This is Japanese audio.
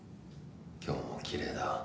今日もきれいだ。